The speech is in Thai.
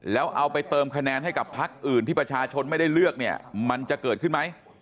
แล้วเอาไปเติมคะแนนให้กับพักอื่นที่ประชาชนไม่ได้เลือกเนี่ยมันจะเกิดขึ้นไหม